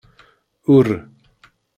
Ur.